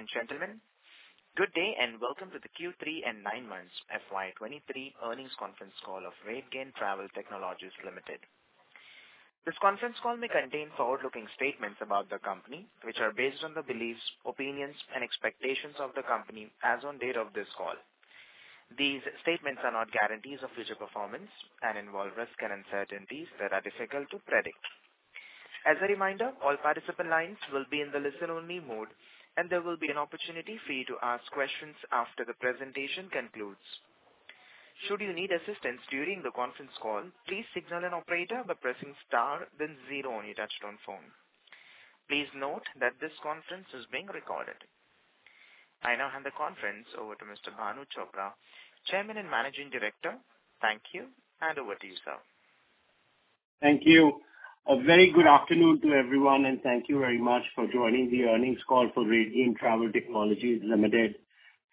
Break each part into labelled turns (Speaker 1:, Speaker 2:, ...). Speaker 1: Ladies and gentlemen, good day and welcome to the Q3 and nine months FY 23 earnings conference call of RateGain Travel Technologies Limited. This conference call may contain forward-looking statements about the company, which are based on the beliefs, opinions and expectations of the company as on date of this call. These statements are not guarantees of future performance and involve risks and uncertainties that are difficult to predict. As a reminder, all participant lines will be in the listen-only mode, and there will be an opportunity for you to ask questions after the presentation concludes. Should you need assistance during the conference call, please signal an operator by pressing star then zero on your touchtone phone. Please note that this conference is being recorded. I now hand the conference over to Mr. Bhanu Chopra, Chairman and Managing Director. Thank you, and over to you, sir.
Speaker 2: Thank you. A very good afternoon to everyone, and thank you very much for joining the earnings call for RateGain Travel Technologies Limited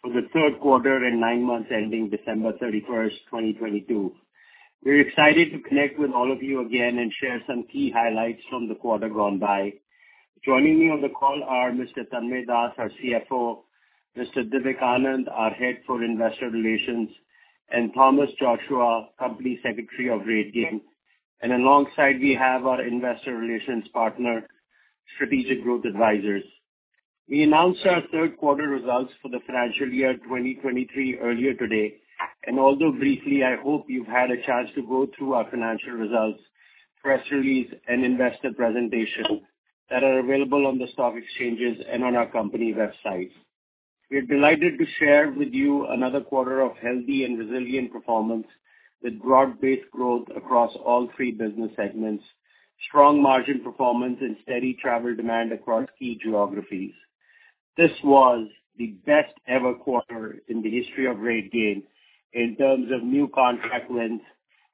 Speaker 2: for the third quarter and nine months ending December 31, 2022. We're excited to connect with all of you again and share some key highlights from the quarter gone by. Joining me on the call are Mr. Tanmaya Das, our CFO, Mr. Divik Anand, our Head for Investor Relations, and Thomas Joshua, Company Secretary of RateGain. Alongside we have our investor relations partner, Strategic Growth Advisors. We announced our third quarter results for the financial year 2023 earlier today, and although briefly, I hope you've had a chance to go through our financial results, press release and investor presentation that are available on the stock exchanges and on our company website. We're delighted to share with you another quarter of healthy and resilient performance with broad-based growth across all three business segments, strong margin performance and steady travel demand across key geographies. This was the best ever quarter in the history of RateGain in terms of new contract wins.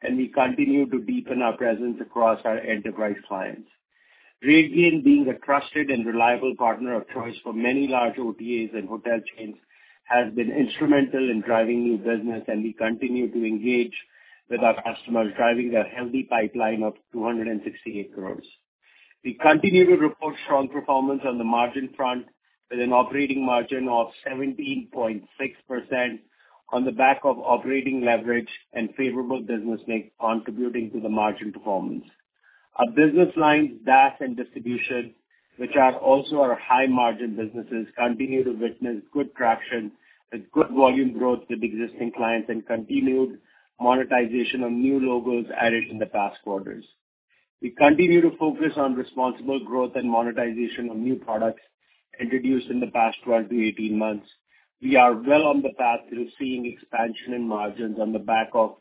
Speaker 2: We continue to deepen our presence across our enterprise clients. RateGain, being a trusted and reliable partner of choice for many large OTAs and hotel chains, has been instrumental in driving new business. We continue to engage with our customers, driving a healthy pipeline of 268 crores. We continue to report strong performance on the margin front with an operating margin of 17.6% on the back of operating leverage and favorable business mix contributing to the margin performance. Our business lines, DAS and distribution, which are also our high margin businesses, continue to witness good traction with good volume growth with existing clients and continued monetization of new logos added in the past quarters. We continue to focus on responsible growth and monetization of new products introduced in the past 12-18 months. We are well on the path to seeing expansion in margins on the back of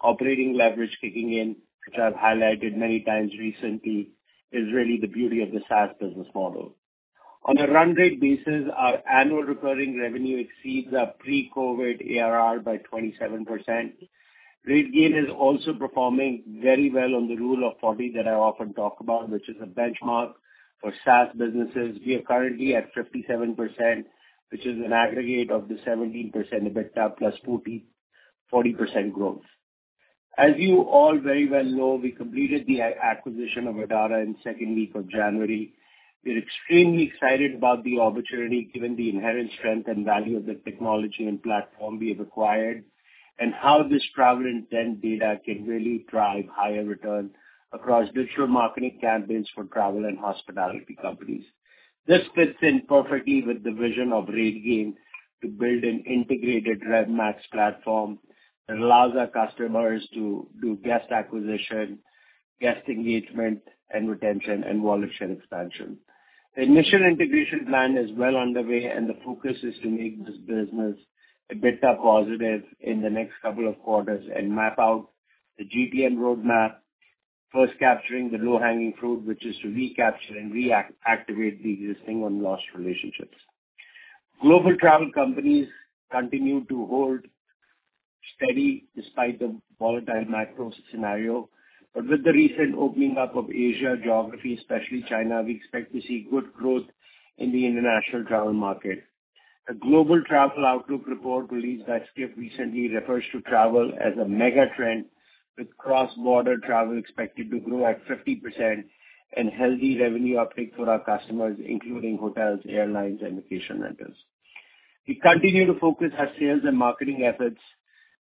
Speaker 2: operating leverage kicking in, which I've highlighted many times recently, is really the beauty of the SaaS business model. On a run rate basis, our annual recurring revenue exceeds our pre-COVID ARR by 27%. RateGain is also performing very well on the Rule of 40 that I often talk about, which is a benchmark for SaaS businesses. We are currently at 57%, which is an aggregate of the 17% EBITDA plus 40% growth. As you all very well know, we completed the acquisition of Adara in 2nd week of January. We're extremely excited about the opportunity given the inherent strength and value of the technology and platform we've acquired and how this travel intent data can really drive higher returns across digital marketing campaigns for travel and hospitality companies. This fits in perfectly with the vision of RateGain to build an integrated RevMax platform that allows our customers to do guest acquisition, guest engagement and retention, and wallet share expansion. The initial integration plan is well underway, and the focus is to make this business EBITDA positive in the next 2 quarters and map out the GPM roadmap, first capturing the low-hanging fruit, which is to recapture and reactivate the existing and lost relationships. Global travel companies continue to hold steady despite the volatile macro scenario. With the recent opening up of Asia geography, especially China, we expect to see good growth in the international travel market. A global travel outlook report released by Skift recently refers to travel as a mega trend, with cross-border travel expected to grow at 50% and healthy revenue uptake for our customers, including hotels, airlines and vacation rentals. We continue to focus our sales and marketing efforts.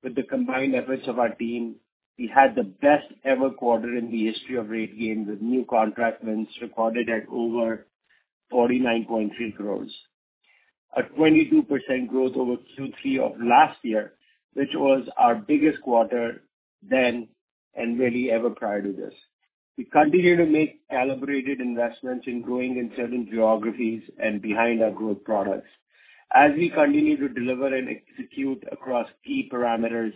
Speaker 2: With the combined efforts of our team, we had the best ever quarter in the history of RateGain, with new contract wins recorded at over 49.3 crores. A 22% growth over Q3 of last year, which was our biggest quarter then and really ever prior to this. We continue to make calibrated investments in growing in certain geographies and behind our growth products. As we continue to deliver and execute across key parameters,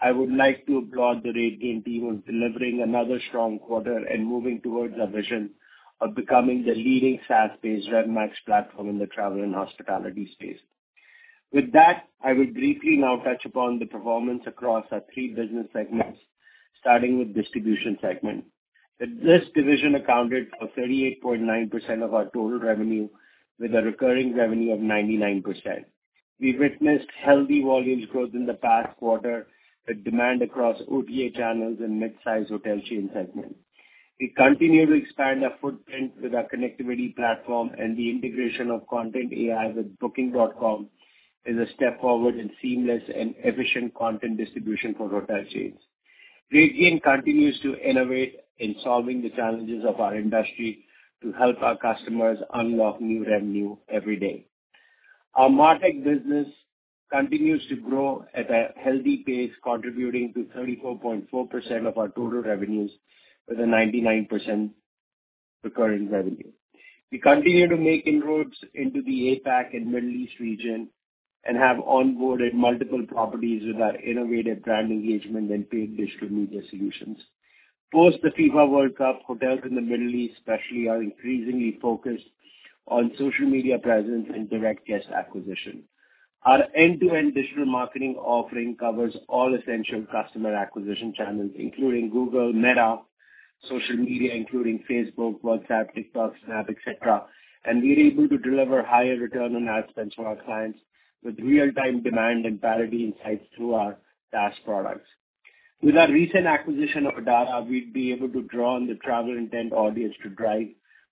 Speaker 2: I would like to applaud the RateGain team on delivering another strong quarter and moving towards our vision of becoming the leading SaaS-based RevMax platform in the travel and hospitality space. With that, I will briefly now touch upon the performance across our three business segments, starting with distribution segment. This division accounted for 38.9% of our total revenue with a recurring revenue of 99%. We witnessed healthy volumes growth in the past quarter with demand across OTA channels and midsize hotel chain segment. We continue to expand our footprint with our connectivity platform and the integration of Content AI with Booking.com is a step forward in seamless and efficient content distribution for hotel chains. RateGain continues to innovate in solving the challenges of our industry to help our customers unlock new revenue every day. Our MarTech business continues to grow at a healthy pace, contributing to 34.4% of our total revenues with a 99% recurring revenue. We continue to make inroads into the APAC and Middle East region and have onboarded multiple properties with our innovative brand engagement and paid digital media solutions. Post the FIFA World Cup, hotels in the Middle East especially are increasingly focused on social media presence and direct guest acquisition. Our end-to-end digital marketing offering covers all essential customer acquisition channels, including Google, Meta, social media, including Facebook, WhatsApp, TikTok, Snap, et cetera. We're able to deliver higher return on ad spend to our clients with real-time demand and parity insights through our DAS products. With our recent acquisition of Adara, we'd be able to draw on the travel intent audience to drive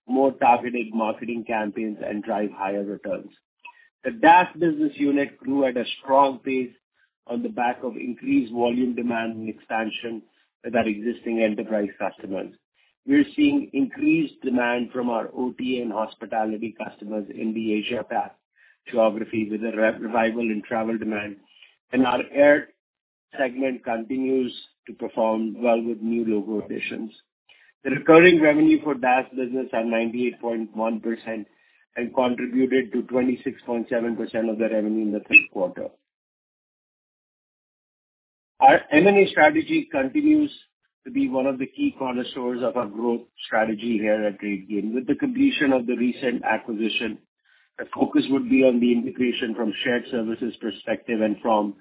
Speaker 2: more targeted marketing campaigns and drive higher returns. The DAS business unit grew at a strong pace on the back of increased volume demand and expansion with our existing enterprise customers. We are seeing increased demand from our OTA and hospitality customers in the Asia Pac geography with a re-revival in travel demand. Our air segment continues to perform well with new logo additions. The recurring revenue for DAS business are 98.1% and contributed to 26.7% of the revenue in the third quarter. Our M&A strategy continues to be one of the key cornerstones of our growth strategy here at RateGain. With the completion of the recent acquisition, the focus would be on the integration from shared services perspective and from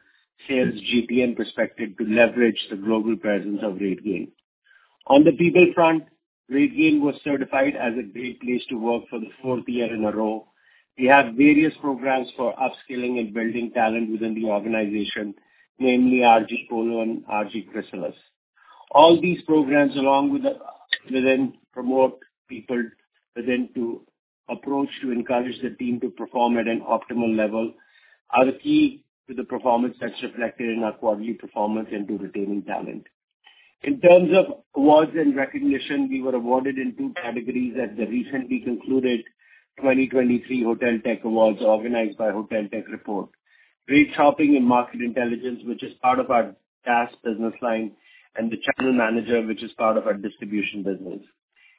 Speaker 2: sales GPM perspective to leverage the global presence of RateGain. On the people front, RateGain was certified as a Great Place To Work for the fourth year in a row. We have various programs for upskilling and building talent within the organization, namely RG Polo and RG Chrysalis. All these programs along with within promote people within to approach to encourage the team to perform at an optimal level are the key to the performance that's reflected in our quarterly performance and to retaining talent. In terms of awards and recognition, we were awarded in two categories at the recently concluded 2023 HotelTechAwards organized by Hotel Tech Report. Rate shopping and market intelligence, which is part of our DAS business line, and the channel manager, which is part of our distribution business.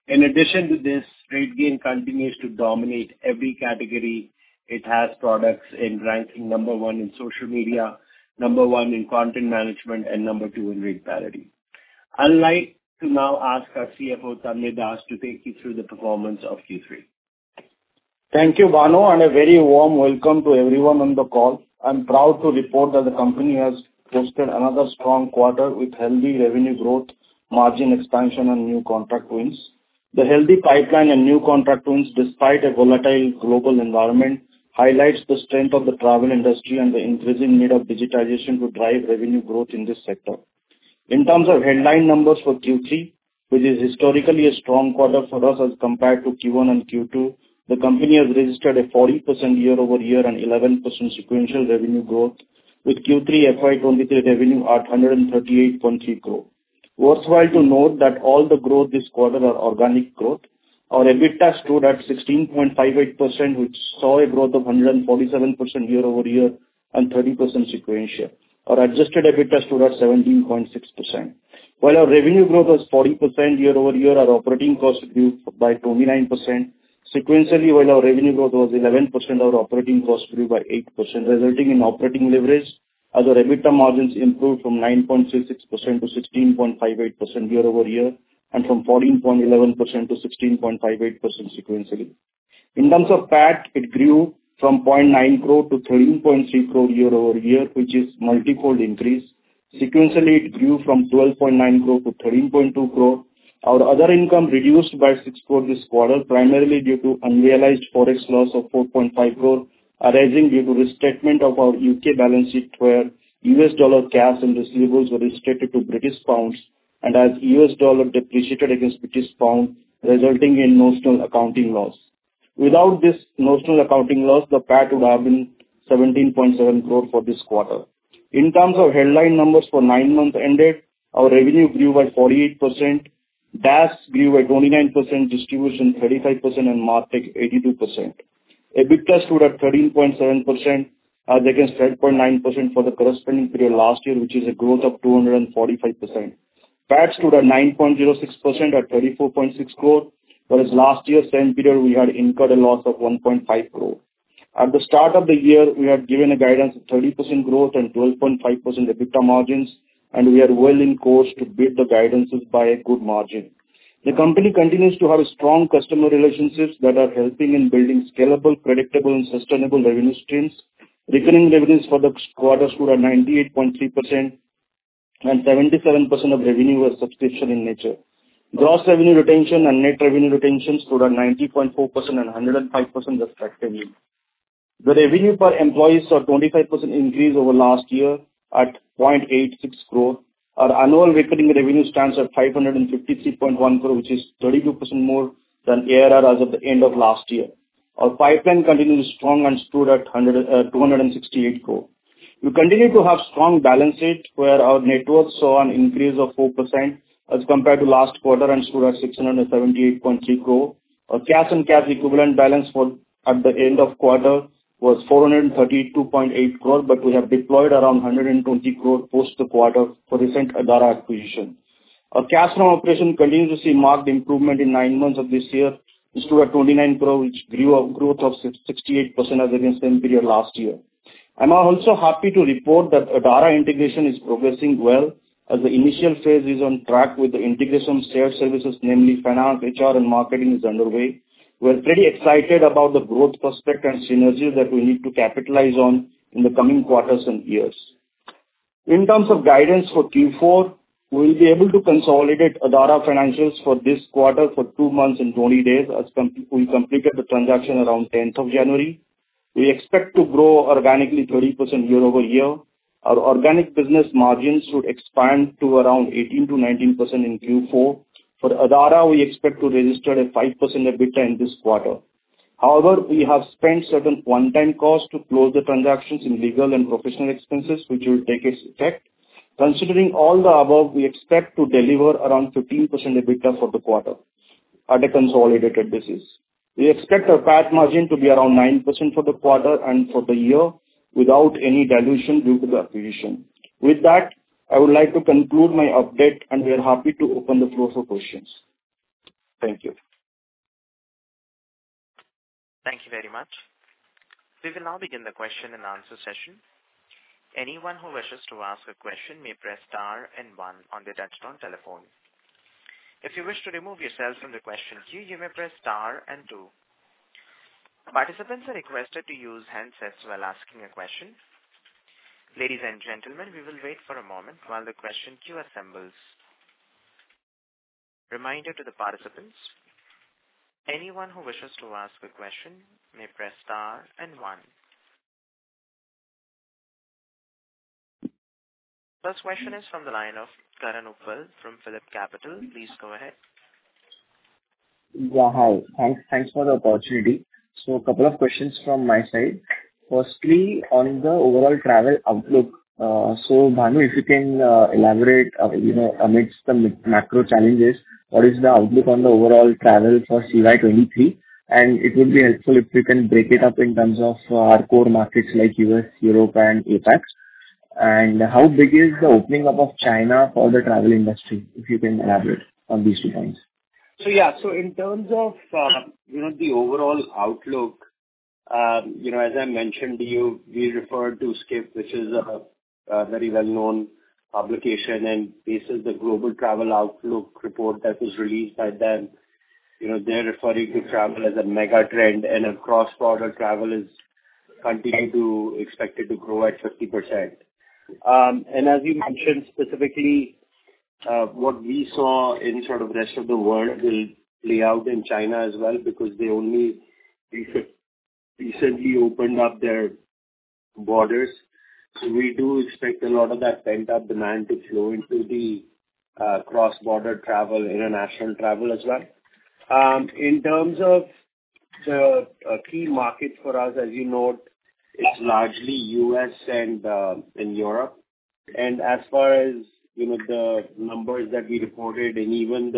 Speaker 2: RateGain continues to dominate every category. It has products in ranking number one in social media, number one in content management, and number two in rate parity. I'd like to now ask our CFO, Tanmaya Das, to take you through the performance of Q3.
Speaker 3: Thank you, Bhanu, and a very warm welcome to everyone on the call. I'm proud to report that the company has posted another strong quarter with healthy revenue growth, margin expansion, and new contract wins. The healthy pipeline and new contract wins, despite a volatile global environment, highlights the strength of the travel industry and the increasing need of digitization to drive revenue growth in this sector. In terms of headline numbers for Q3, which is historically a strong quarter for us as compared to Q1 and Q2, the company has registered a 40% year-over-year and 11% sequential revenue growth, with Q3 FY23 revenue at INR 138.3 crore. Worthwhile to note that all the growth this quarter are organic growth. Our EBITDA stood at 16.58%, which saw a growth of 147% year-over-year and 30% sequential. Our adjusted EBITDA stood at 17.6%. Our revenue growth was 40% year-over-year, our operating costs grew by 29%. Sequentially, our revenue growth was 11%, our operating costs grew by 8%, resulting in operating leverage as our EBITDA margins improved from 9.66% to 16.58% year-over-year and from 14.11% to 16.58% sequentially. In terms of PAT, it grew from 0.9 crore to 13.6 crore year-over-year, which is multi-fold increase. Sequentially, it grew from 12.9 crore to 13.2 crore. Our other income reduced by 6 crore this quarter, primarily due to unrealized Forex loss of 4.5 crore arising due to restatement of our U.K. balance sheet where US dollar cash and receivables were restricted to British pounds and as US dollar depreciated against British pound, resulting in notional accounting loss. Without this notional accounting loss, the PAT would have been 17.7 crore for this quarter. In terms of headline numbers for 9-month ended, our revenue grew by 48%, DAS grew by 29%, distribution 35%, and MarTech 82%. EBITDA stood at 13.7% against 8.9% for the corresponding period last year which is a growth of 245%. PAT stood at 9.06% at 34.6 crore, whereas last year same period we had incurred a loss of 1.5 crore. At the start of the year, we had given a guidance of 30% growth and 12.5% EBITDA margins, we are well in course to beat the guidances by a good margin. The company continues to have strong customer relationships that are helping in building scalable, predictable and sustainable revenue streams. Recurring revenues for the quarter stood at 98.3%, 77% of revenue was subscription in nature. Gross revenue retention and net revenue retention stood at 90.4% and 105% respectively. The revenue per employees saw 25% increase over last year at 0.86 crore. Our annual recurring revenue stands at 553.1 crore, which is 32% more than ARR as of the end of last year. Our pipeline continues strong and stood at 268 crore. We continue to have strong balance sheet where our networks saw an increase of 4% as compared to last quarter and stood at 678.3 crore. Our cash and cash equivalent balance for at the end of quarter was 432.8 crore, but we have deployed around 120 crore post the quarter for recent Adara acquisition. Our cash from operation continues to see marked improvement in 9 months of this year and stood at 29 crore, which grew a growth of 68% as against same period last year. I'm also happy to report that Adara integration is progressing well as the initial phase is on track with the integration shared services, namely finance, HR and marketing is underway. We're pretty excited about the growth prospect and synergies that we need to capitalize on in the coming quarters and years. In terms of guidance for Q4, we'll be able to consolidate Adara financials for this quarter for 2 months and 20 days as we completed the transaction around 10th of January. We expect to grow organically 30% year-over-year. Our organic business margins should expand to around 18%-19% in Q4. For Adara, we expect to register a 5% EBITDA in this quarter. We have spent certain one-time costs to close the transactions in legal and professional expenses, which will take its effect. Considering all the above, we expect to deliver around 15% EBITDA for the quarter at a consolidated basis. We expect our PAT margin to be around 9% for the quarter and for the year without any dilution due to the acquisition. I would like to conclude my update and we are happy to open the floor for questions. Thank you.
Speaker 1: Thank you very much. We will now begin the question and answer session. Anyone who wishes to ask a question may press star and 1 on their touchtone telephone. If you wish to remove yourself from the question queue, you may press star and 2. Participants are requested to use handsets while asking a question. Ladies and gentlemen, we will wait for a moment while the question queue assembles. Reminder to the participants, anyone who wishes to ask a question may press star and 1. First question is from the line of Karan Uppal from PhillipCapital. Please go ahead.
Speaker 4: Yeah, hi. Thanks, thanks for the opportunity. Couple of questions from my side. Firstly, on the overall travel outlook, Bhanu, if you can elaborate, you know, amidst the macro challenges, what is the outlook on the overall travel for CY 2023? It would be helpful if you can break it up in terms of our core markets like U.S., Europe and APAC. How big is the opening up of China for the travel industry, if you can elaborate on these two points.
Speaker 2: Yeah, so in terms of, you know, the overall outlook, you know, as I mentioned to you, we referred to Skift, which is a very well-known publication and bases the global travel outlook report that was released by them. You know, they're referring to travel as a mega trend and a cross-border travel is continuing to expected to grow at 50%. As we mentioned specifically, what we saw in sort of rest of the world will play out in China as well because they only recently opened up their borders. We do expect a lot of that pent-up demand to flow into the cross-border travel, international travel as well. In terms of the key markets for us, as you note, it's largely US and Europe. As far as, you know, the numbers that we reported and even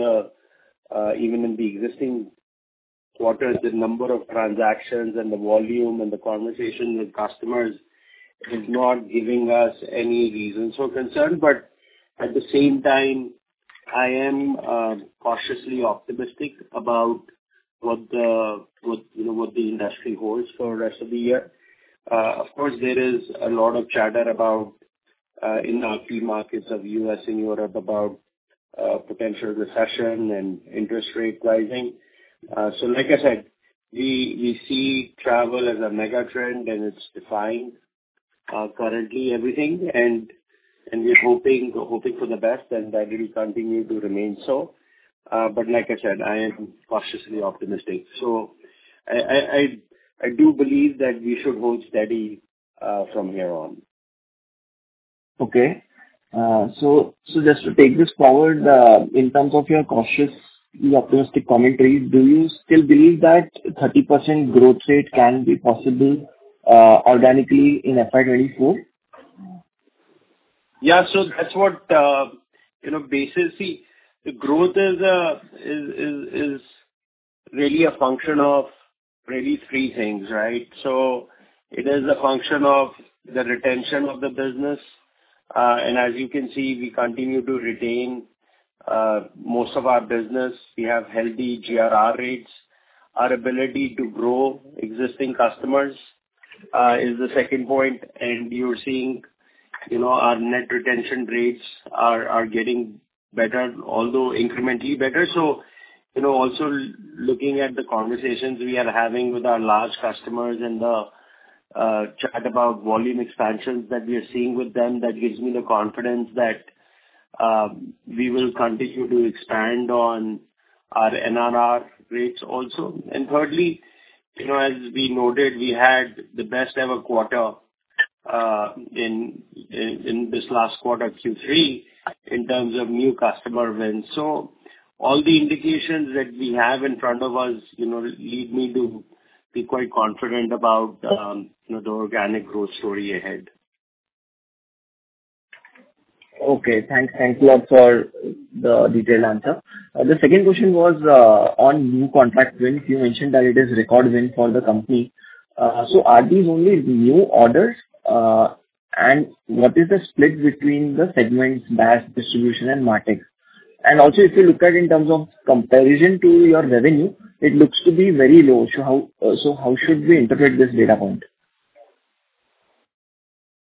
Speaker 2: in the existing quarters, the number of transactions and the volume and the conversation with customers is not giving us any reason for concern. At the same time, I am cautiously optimistic about what the industry holds for rest of the year. Of course, there is a lot of chatter about in our key markets of U.S. and Europe about potential recession and interest rate rising. Like I said, we see travel as a mega trend and it's defined currently everything and we're hoping for the best and that it will continue to remain so. Like I said, I am cautiously optimistic. I do believe that we should hold steady from here on.
Speaker 4: Okay. So just to take this forward, in terms of your cautiously optimistic commentary, do you still believe that 30% growth rate can be possible, organically in FY 2024?
Speaker 2: Yeah. That's what, you know. See, the growth is really a function of really three things, right? It is a function of the retention of the business. As you can see, we continue to retain most of our business. We have healthy GRR rates. Our ability to grow existing customers is the second point. You're seeing, you know, our net retention rates are getting better, although incrementally better. You know, also looking at the conversations we are having with our large customers and the chat about volume expansions that we are seeing with them, that gives me the confidence that we will continue to expand on our NRR rates also. Thirdly, you know, as we noted, we had the best ever quarter, in this last quarter, Q3, in terms of new customer wins. All the indications that we have in front of us, you know, lead me to be quite confident about, you know, the organic growth story ahead.
Speaker 4: Okay. Thanks. Thank you for the detailed answer. The second question was on new contract wins. You mentioned that it is record win for the company. Are these only new orders? What is the split between the segments, SaaS, distribution, and MarTech? Also, if you look at in terms of comparison to your revenue, it looks to be very low. How should we interpret this data point?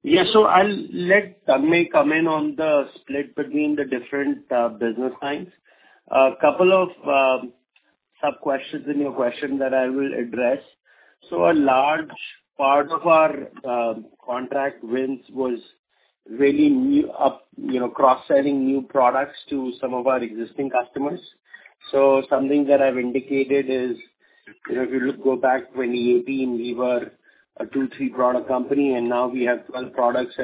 Speaker 2: Yeah. I'll let Tanmay come in on the split between the different business lines. A couple of sub-questions in your question that I will address. A large part of our contract wins was really, you know, cross-selling new products to some of our existing customers. Something that I've indicated is, you know, if you look, go back 2018, we were a two, three product company, and now we have 12 products.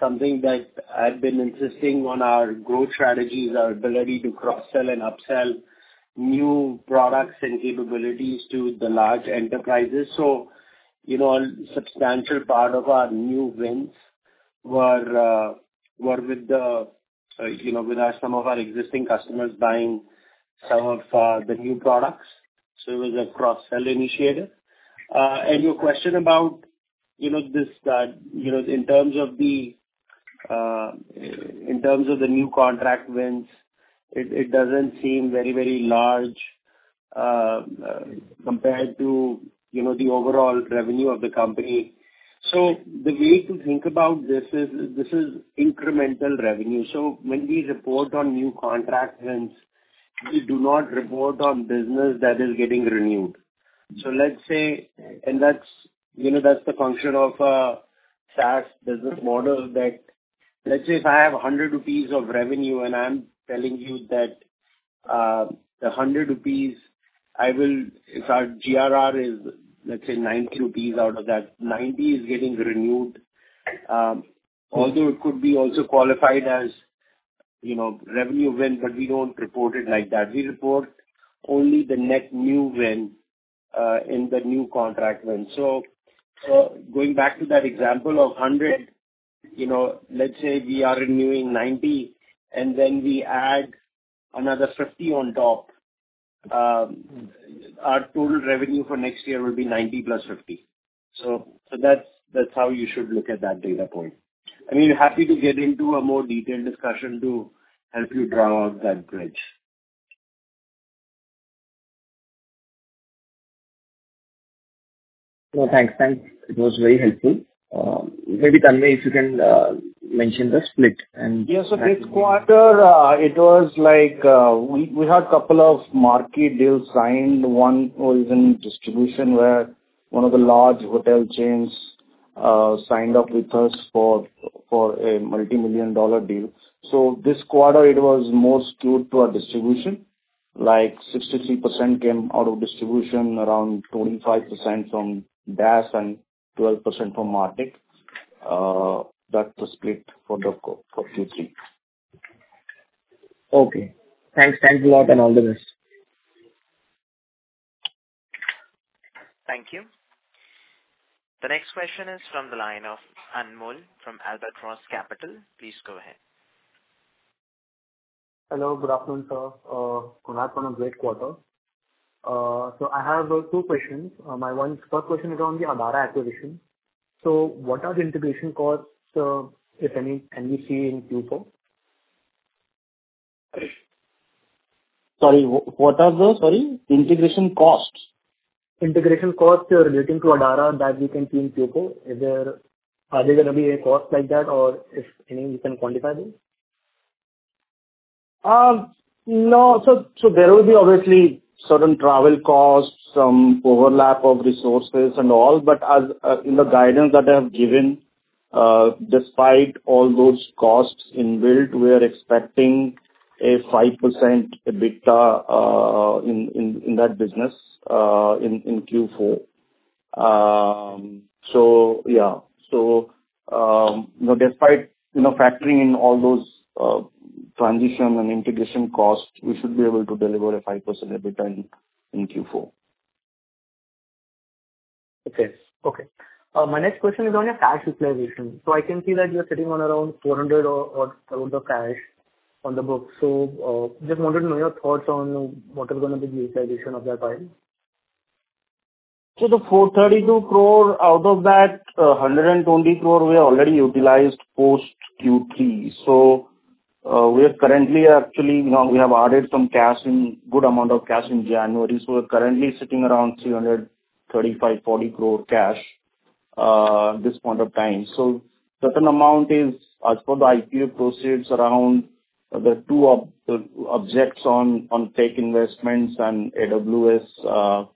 Speaker 2: Something that I've been insisting on our growth strategy is our ability to cross-sell and upsell new products and capabilities to the large enterprises. You know, a substantial part of our new wins were with the, you know, with our, some of our existing customers buying some of the new products. It was a cross-sell initiative. Your question about, you know, this, you know, in terms of the in terms of the new contract wins, it doesn't seem very large compared to, you know, the overall revenue of the company. The way to think about this is, this is incremental revenue. When we report on new contract wins, we do not report on business that is getting renewed. That's, you know, that's the function of a SaaS business model that let's say if I have 100 rupees of revenue, and I'm telling you that If our GRR is, let's say 90 rupees out of that, 90 is getting renewed. Although it could be also qualified as, you know, revenue win, but we don't report it like that. We report only the net new win, in the new contract win. Going back to that example of 100, you know, let's say we are renewing 90, and then we add another 50 on top, our total revenue for next year will be 90 plus 50. That's, that's how you should look at that data point. I mean, happy to get into a more detailed discussion to help you draw out that bridge.
Speaker 4: Thanks. Thanks. It was very helpful. Maybe, Tanmay, if you can, mention the split and-
Speaker 3: Yeah. This quarter, it was like, we had couple of marquee deals signed. One was in distribution, where one of the large hotel chains signed up with us for a $multi-million deal. This quarter it was more skewed to our distribution. Like 63% came out of distribution, around 25% from SaaS and 12% from MarTech. That's the split for Q3.
Speaker 4: Okay. Thanks. Thanks a lot, and all the best.
Speaker 1: Thank you. The next question is from the line of Anmol from Albatross Capital. Please go ahead.
Speaker 5: Hello. Good afternoon, sir. Congrats on a great quarter. I have two questions. My first question is on the Adara acquisition. What are the integration costs, if any, can we see in Q4?
Speaker 2: Sorry. Integration costs.
Speaker 5: Integration costs relating to Adara that we can see in Q4. Are there gonna be a cost like that or if any, we can quantify them?
Speaker 2: No. There will be obviously certain travel costs, some overlap of resources and all. As in the guidance that I have given, despite all those costs inbuilt, we are expecting a 5% EBITDA in that business in Q4. Yeah. You know, despite, you know, factoring in all those transition and integration costs, we should be able to deliver a 5% EBITDA in Q4.
Speaker 5: Okay. Okay. My next question is on your cash utilization. I can see that you're sitting on around 400 or 1,000 cash on the books. Just wanted to know your thoughts on what is gonna be the utilization of that money.
Speaker 2: The 432 crore, out of that, 120 crore we have already utilized post Q3. We are currently actually, you know, we have added some cash in, good amount of cash in January, so we're currently sitting around 335-340 crore cash at this point of time. Certain amount is, as per the IPO proceeds, around the two objects on tech investments and AWS.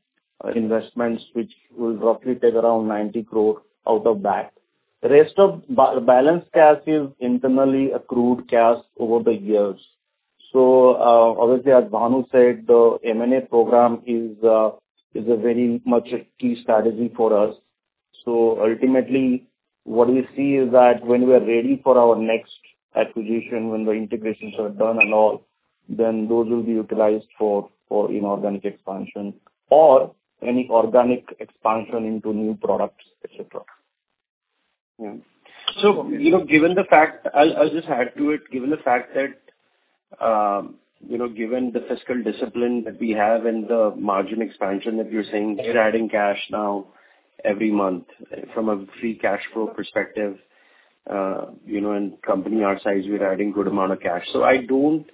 Speaker 3: Investments which will roughly take around 90 crore out of that. Rest of balance cash is internally accrued cash over the years. Obviously, as Bhanu said, the M&A program is a very much a key strategy for us. Ultimately, what we see is that when we are ready for our next acquisition, when the integrations are done and all, then those will be utilized for inorganic expansion or any organic expansion into new products, et cetera.
Speaker 2: Yeah. You know, given the fact... I'll just add to it. Given the fact that, you know, given the fiscal discipline that we have and the margin expansion that you're seeing, you're adding cash now every month. From a free cash flow perspective, you know, in company our size, we're adding good amount of cash. I don't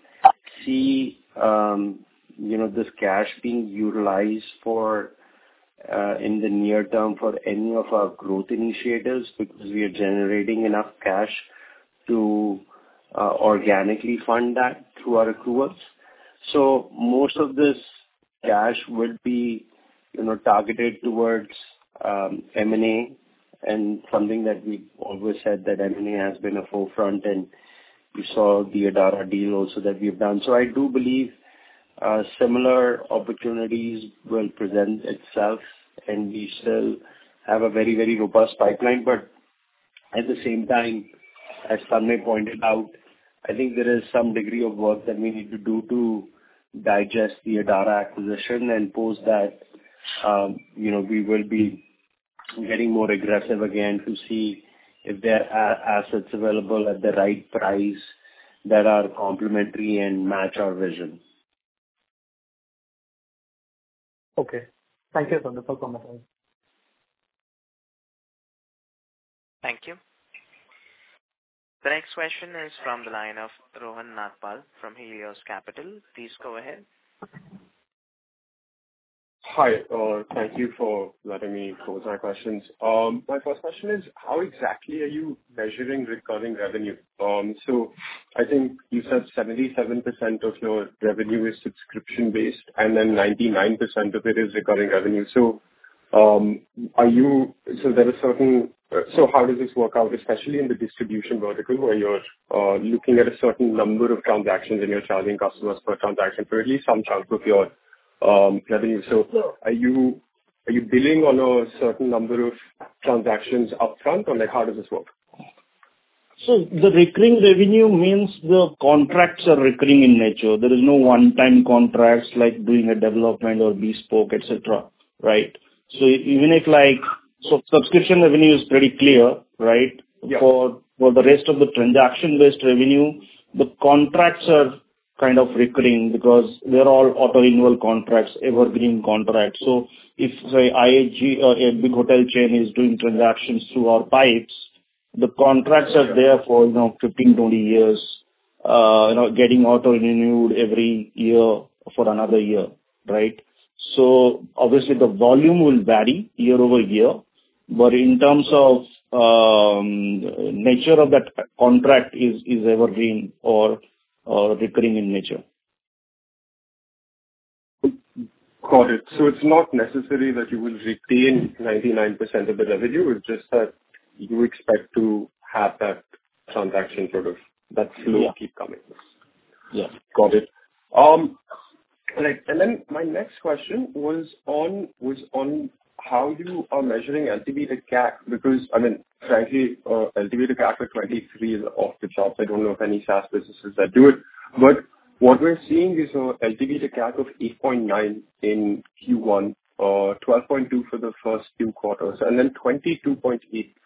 Speaker 2: see, you know, this cash being utilized for in the near term for any of our growth initiatives because we are generating enough cash to organically fund that through our accruals. Most of this cash will be, you know, targeted towards M&A and something that we always said that M&A has been a forefront. We saw the Adara deal also that we've done. I do believe, similar opportunities will present itself, and we still have a very, very robust pipeline. At the same time, as Tanmaya pointed out, I think there is some degree of work that we need to do to digest the Adara acquisition. Post that, you know, we will be getting more aggressive again to see if there are assets available at the right price that are complementary and match our vision.
Speaker 3: Okay. Thank you, for commenting.
Speaker 1: Thank you. The next question is from the line of Rohan Nagpal from Helios Capital. Please go ahead.
Speaker 6: Hi, thank you for letting me pose my questions. My first question is how exactly are you measuring recurring revenue? I think you said 77% of your revenue is subscription-based, and then 99% of it is recurring revenue. How does this work out, especially in the distribution vertical, where you're looking at a certain number of transactions and you're charging customers per transaction for at least some chunk of your revenue. Are you, are you billing on a certain number of transactions upfront or like how does this work?
Speaker 3: The recurring revenue means the contracts are recurring in nature. There is no one-time contracts like doing a development or bespoke, et cetera, right? Even if subscription revenue is pretty clear, right?
Speaker 6: Yeah.
Speaker 3: For the rest of the transaction-based revenue, the contracts are kind of recurring because they're all auto-renewal contracts, evergreen contracts. If, say, IHG or a big hotel chain is doing transactions through our pipes, the contracts are there for, you know, 15, 20 years, you know, getting auto-renewed every year for another year, right? Obviously the volume will vary year-over-year. In terms of, nature of that contract is evergreen or recurring in nature.
Speaker 6: Got it. It's not necessary that you will retain 99% of the revenue. It's just that you expect to have that transaction sort of, that flow keep coming.
Speaker 3: Yeah.
Speaker 6: Got it. My next question was on, was on how you are measuring LTV to CAC because, I mean, frankly, LTV to CAC at 23 is off the charts. I don't know of any SaaS businesses that do it. What we're seeing is a LTV to CAC of 8.9 in Q1, 12.2 for the first 2 quarters, and then 22.8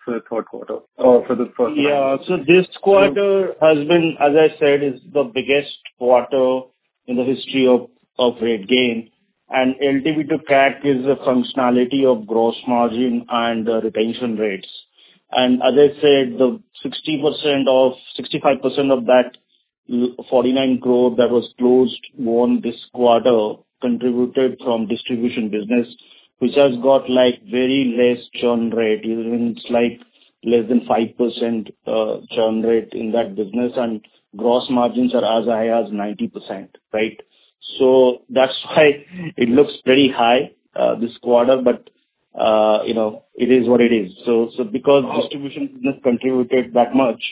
Speaker 6: for the third quarter or for the first 9 months.
Speaker 3: Yeah. This quarter has been, as I said, is the biggest quarter in the history of RateGain. LTV to CAC is a functionality of gross margin and retention rates. As I said, the 65% of that 49 crore that was closed won this quarter contributed from distribution business, which has got like very less churn rate, even it's like less than 5% churn rate in that business. Gross margins are as high as 90%, right? That's why it looks very high this quarter. You know, it is what it is. Because distribution business contributed that much,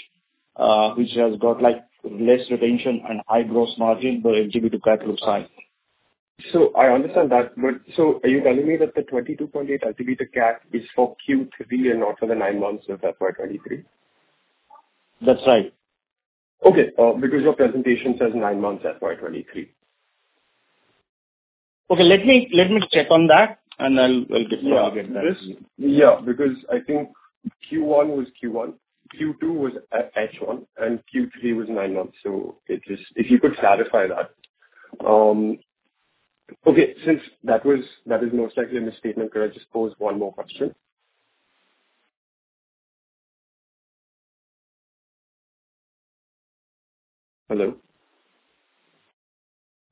Speaker 3: which has got like less retention and high gross margin, the LTV to CAC looks high.
Speaker 6: I understand that. Are you telling me that the 22.8 LTV to CAC is for Q3 and not for the nine months, so FY 2023?
Speaker 3: That's right.
Speaker 6: Okay. Your presentation says 9 months, FY 23.
Speaker 3: Okay. Let me check on that and I'll get back.
Speaker 6: Yeah. I think Q1 was Q1, Q2 was H1, and Q3 was nine months. If you could clarify that. Okay, since that is most likely a misstatement, could I just pose one more question? Hello?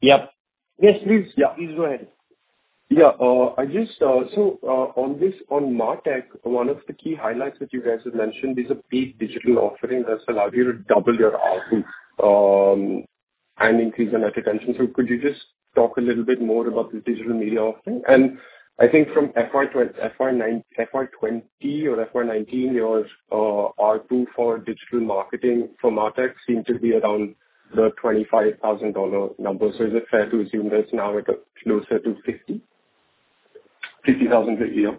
Speaker 3: Yep. Yes, please.
Speaker 6: Yeah.
Speaker 3: Please go ahead.
Speaker 6: Yeah. I just, on this, on MarTech, one of the key highlights that you guys have mentioned is a big digital offering that's allowed you to double your ARPU. Increase the net retention. Could you just talk a little bit more about the digital media offering? I think from FY 20 or FY 19, your ARPU for digital marketing for MarTech seemed to be around the $25,000 number. Is it fair to assume that it's now at a closer to $50,000 a year?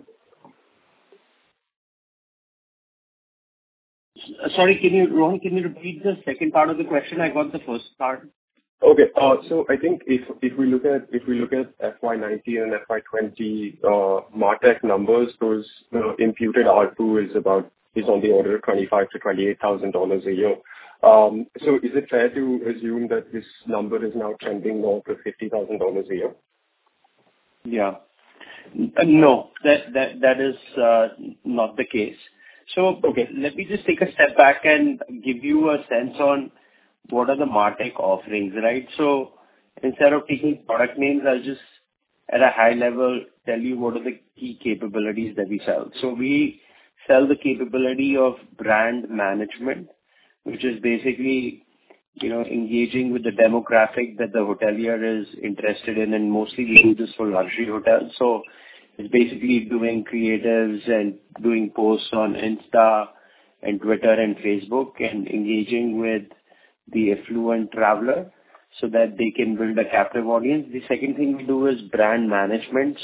Speaker 2: Sorry, Rohan, can you repeat the second part of the question? I got the first part.
Speaker 6: Okay. I think if we look at FY19 and FY20, MarTech numbers, those imputed ARPU is on the order of $25,000-$28,000 a year. Is it fair to assume that this number is now trending more to $50,000 a year?
Speaker 2: Yeah. No, that is not the case. Okay. Let me just take a step back and give you a sense on what are the MarTech offerings, right? Instead of taking product names, I'll just at a high level tell you what are the key capabilities that we sell. We sell the capability of brand management, which is basically, you know, engaging with the demographic that the hotelier is interested in and mostly doing this for luxury hotels. It's basically doing creatives and doing posts on Insta and Twitter and Facebook and engaging with the affluent traveler so that they can build a captive audience. The second thing we do is brand management.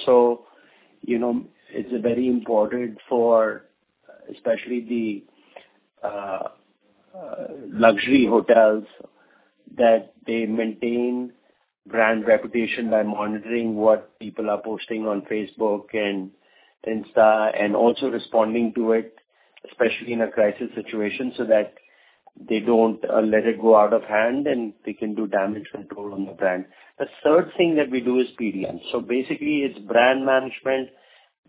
Speaker 2: You know, it's very important for especially the luxury hotels that they maintain brand reputation by monitoring what people are posting on Facebook and Insta and also responding to it, especially in a crisis situation, so that they don't let it go out of hand, and they can do damage control on the brand. The third thing that we do is PDM. Basically, it's brand management,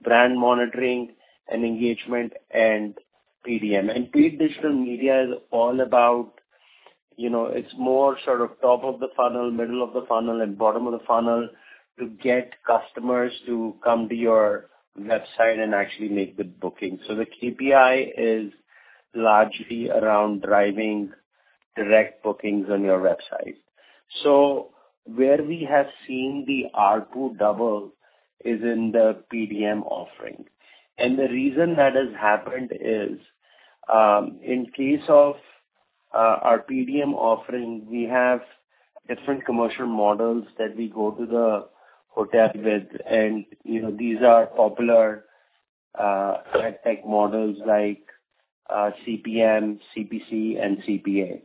Speaker 2: brand monitoring, and engagement, and PDM. Paid digital media is all about, you know, it's more sort of top of the funnel, middle of the funnel, and bottom of the funnel to get customers to come to your website and actually make the booking. The KPI is largely around driving direct bookings on your website. Where we have seen the ARPU double is in the PDM offering. The reason that has happened is, in case of our PDM offering, we have different commercial models that we go to the hotel with. You know, these are popular ad tech models like CPM, CPC, and CPA.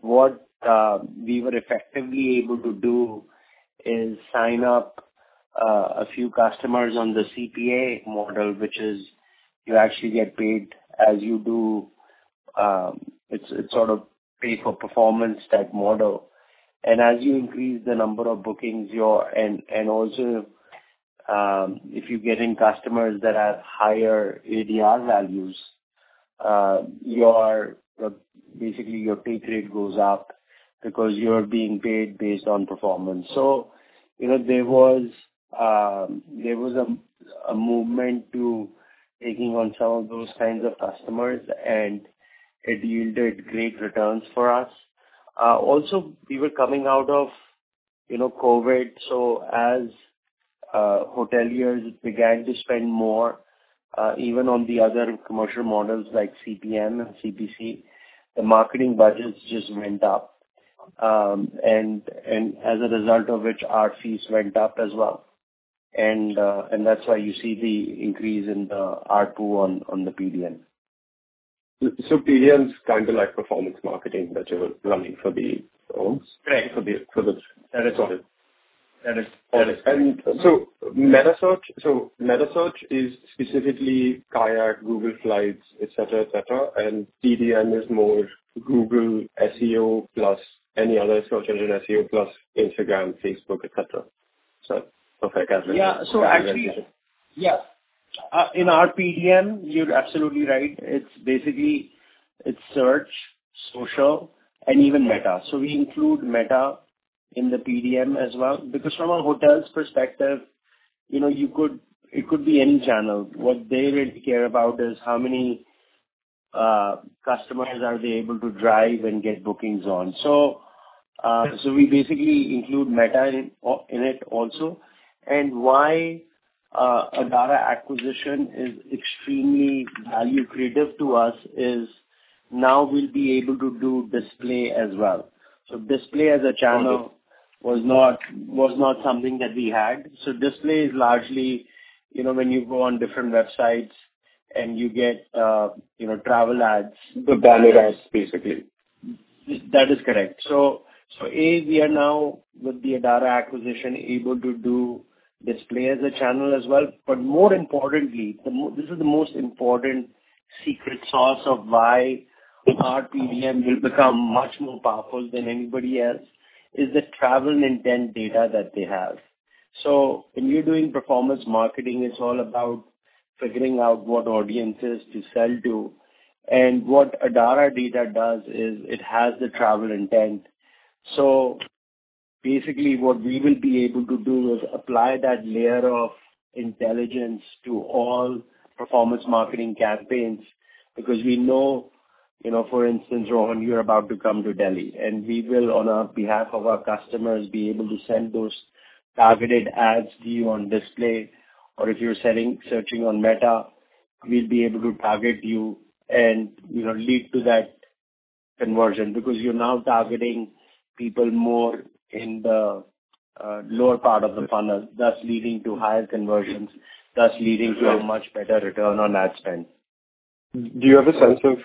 Speaker 2: What we were effectively able to do is sign up a few customers on the CPA model, which is you actually get paid as you do, it's sort of pay for performance type model. As you increase the number of bookings. Also, if you're getting customers that have higher ADR values, your, basically your pay grade goes up because you're being paid based on performance. You know, there was a movement to taking on some of those kinds of customers, and it yielded great returns for us. Also we were coming out of, you know, COVID, so as hoteliers began to spend more, even on the other commercial models like CPM and CPC, the marketing budgets just went up. As a result of which, our fees went up as well. That's why you see the increase in the ARPU on the PDM.
Speaker 6: PDM is kind of like performance marketing that you were running for the hotels?
Speaker 2: Right.
Speaker 6: For the.
Speaker 2: That is correct. That is correct.
Speaker 6: Metasearch is specifically KAYAK, Google Flights, et cetera, et cetera, and PDM is more Google SEO plus any other search engine SEO plus Instagram, Facebook, et cetera. If I got it right.
Speaker 2: Yeah. So actually, yeah. In our PDM, you're absolutely right. It's basically it's search, social, and even meta. We include meta in the PDM as well. Because from a hotel's perspective, you know, you could, it could be any channel. What they really care about is how many customers are they able to drive and get bookings on. We basically include meta in it also. Why Adara acquisition is extremely value creative to us is now we'll be able to do display as well. Display as a channel-
Speaker 6: Okay.
Speaker 2: was not something that we had. Display is largely, you know, when you go on different websites and you get, you know, travel ads.
Speaker 6: The banner ads basically.
Speaker 2: That is correct. A, we are now with the Adara acquisition able to do display as a channel as well. More importantly, This is the most important secret sauce of why our PDM will become much more powerful than anybody else is the travel intent data that they have. When you're doing performance marketing, it's all about figuring out what audiences to sell to. What Adara data does is it has the travel intent. Basically what we will be able to do is apply that layer of intelligence to all performance marketing campaigns. We know, you know, for instance, Rohan, you're about to come to Delhi, and we will on a behalf of our customers, be able to send those targeted ads to you on display, or if you're searching on Meta, we'll be able to target you and, you know, lead to that conversion. You're now targeting people more in the lower part of the funnel, thus leading to higher conversions, thus leading to a much better return on ad spend.
Speaker 6: Do you have a sense of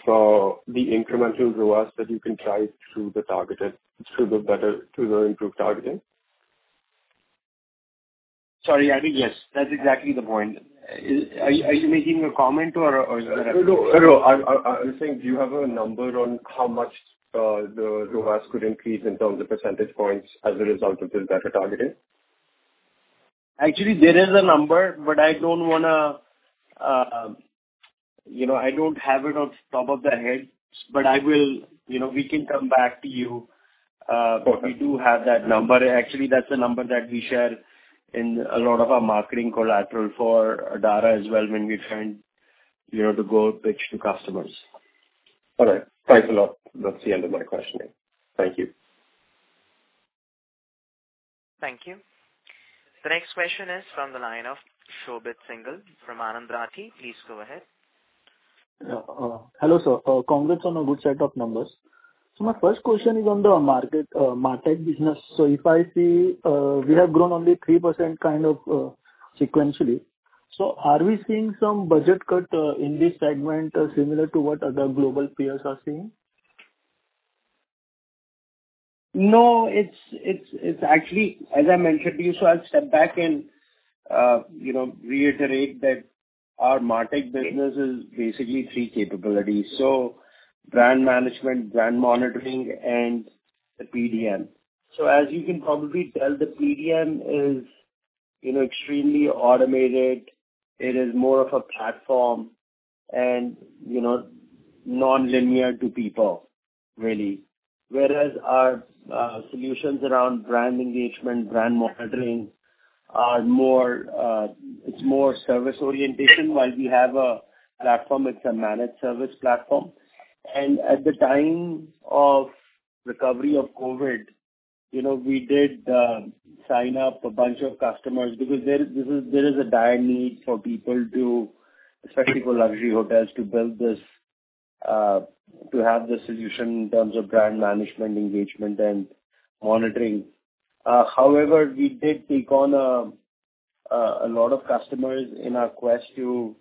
Speaker 6: the incremental ROAS that you can drive through the targeted, through the better, through the improved targeting?
Speaker 2: Sorry, I think yes. That's exactly the point. Are you making a comment or is there?
Speaker 6: No, no. I was saying, do you have a number on how much the ROAS could increase in terms of percentage points as a result of this better targeting?
Speaker 2: Actually, there is a number, but I don't wanna, you know, I don't have it on top of the head, but I will. You know, we can come back to you.
Speaker 6: Okay.
Speaker 2: We do have that number. Actually, that's a number that we share in a lot of our marketing collateral for Adara as well when we try, you know, to go pitch to customers.
Speaker 6: All right. Thanks a lot. That's the end of my questioning. Thank you.
Speaker 1: Thank you. The next question is from the line of Shobit Singhal from Anand Rathi. Please go ahead.
Speaker 7: Yeah. Hello sir. Congrats on a good set of numbers. My first question is on the market, MarTech business. If I see, we have grown only 3% kind of, sequentially. Are we seeing some budget cut, in this segment, similar to what other global peers are seeing?
Speaker 2: No, it's actually, as I mentioned to you, I'll step back and, you know, reiterate that our MarTech business is basically three capabilities. Brand management, brand monitoring and the PDM. As you can probably tell, the PDM is, you know, extremely automated. It is more of a platform and, you know, non-linear to people really. Whereas our solutions around brand engagement, brand monitoring are more, it's more service orientation. While we have a platform, it's a managed service platform. At the time of recovery of COVID, you know, we did sign up a bunch of customers because there is a dire need for people to, especially for luxury hotels, to build this, to have the solution in terms of brand management, engagement and monitoring. However, we did take on a lot of customers in our quest to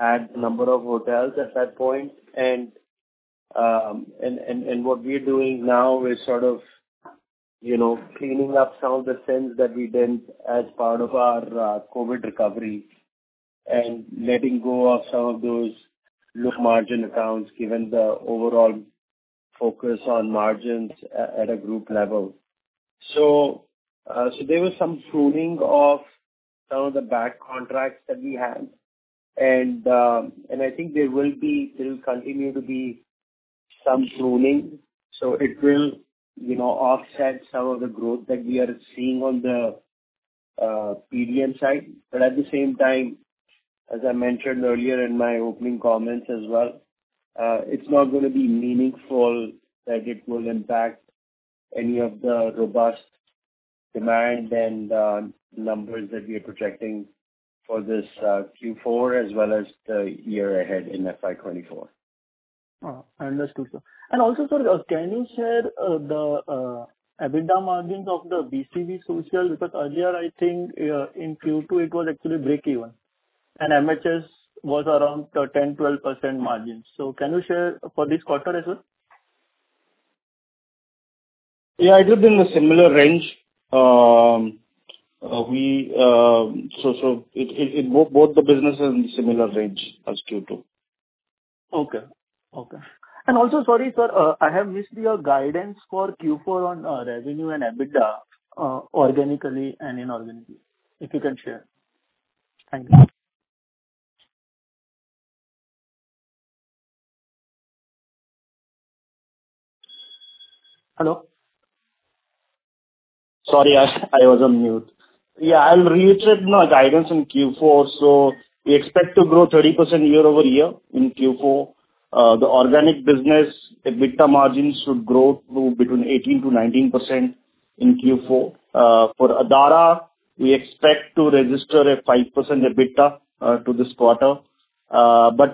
Speaker 2: add a number of hotels at that point. What we're doing now is sort of, you know, cleaning up some of the things that we did as part of our COVID recovery and letting go of some of those low margin accounts, given the overall focus on margins at a group level. There was some pruning of some of the back contracts that we had. I think there will be, there'll continue to be some pruning, so it will, you know, offset some of the growth that we are seeing on the PDM side. At the same time, as I mentioned earlier in my opening comments as well, it's not gonna be meaningful that it will impact any of the robust demand and numbers that we are projecting for this Q4 as well as the year ahead in FY 2024.
Speaker 7: Understood, sir. Also sir, can you share, the EBITDA margins of the BCV Social? Because earlier I think, in Q2 it was actually breakeven and MHS was around 10%-12% margins. Can you share for this quarter as well?
Speaker 2: Yeah, it is in a similar range. it both the businesses in similar range as Q2.
Speaker 7: Okay. Okay. Also sorry sir, I have missed your guidance for Q4 on revenue and EBITDA, organically and inorganically, if you can share? Thank you.
Speaker 2: Hello. Sorry, I was on mute. I'll reiterate my guidance in Q4. We expect to grow 30% year-over-year in Q4. The organic business EBITDA margins should grow to between 18%-19% in Q4. For Adara, we expect to register a 5% EBITDA to this quarter.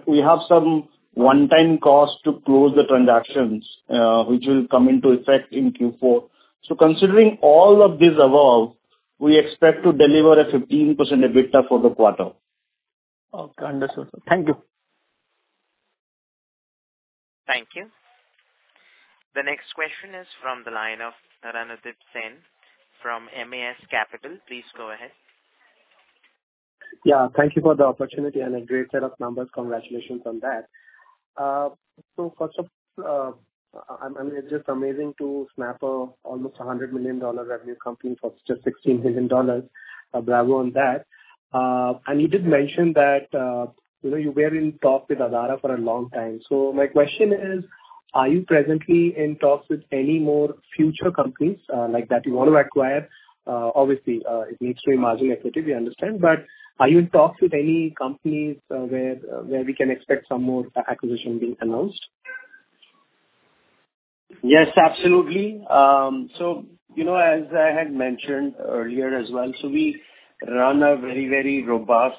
Speaker 2: We have some one-time costs to close the transactions, which will come into effect in Q4. Considering all of this above, we expect to deliver a 15% EBITDA for the quarter.
Speaker 7: Okay. Understood, sir. Thank you.
Speaker 1: Thank you. The next question is from the line of Ranodeep Sen from MAS Capital. Please go ahead.
Speaker 8: Yeah, thank you for the opportunity and a great set of numbers. Congratulations on that. First of, I mean, it's just amazing to snap up almost a $100 million revenue company for just $16 million. Bravo on that. You did mention that, you know, you were in talks with Adara for a long time. My question is, are you presently in talks with any more future companies, like that you want to acquire? Obviously, it needs to be margin equity, we understand. Are you in talks with any companies where we can expect some more acquisition being announced?
Speaker 2: Yes, absolutely. You know, as I had mentioned earlier as well, so we run a very, very robust